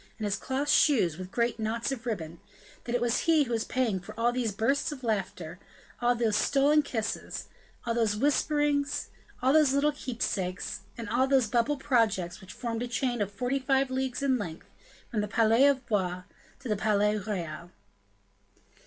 and his cloth shoes with great knots of ribbon, that it was he who was paying for all those bursts of laughter, all those stolen kisses, all those whisperings, all those little keepsakes, and all those bubble projects which formed a chain of forty five leagues in length, from the palais of Blois to the Palais Royal.